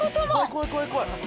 怖い怖い怖い怖い！